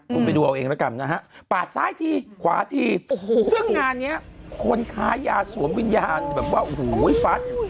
คุณไปดูเอาเองแล้วกันนะฮะปาดซ้ายทีขวาทีโอ้โหซึ่งงานนี้คนค้ายาสวมวิญญาณแบบว่าโอ้โหฟัด